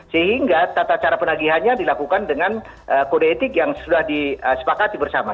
sehingga tata cara penagihannya dilakukan dengan kode etik yang sudah disepakati bersama